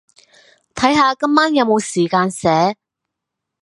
睇下今晚有冇時間寫